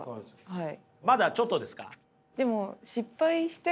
はい。